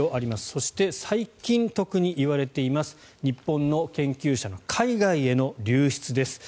そして最近、特に言われています日本の研究者の海外への流出です。